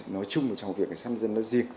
nói chung trong việc sân dân